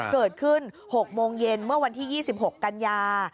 เกิดขึ้น๖โมงเย็นเมื่อวันที่๒๖กันยา